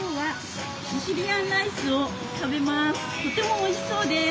とてもおいしそうです。